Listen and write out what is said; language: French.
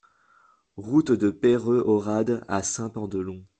Route de Peyrehorade à Saint-Pandelon